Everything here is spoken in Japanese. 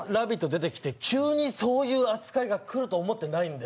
出てきて急にそういう扱いがくると思ってないんで。